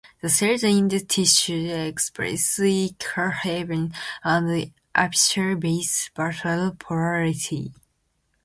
The cells in this tissue express E-cadherin and apical-basal polarity.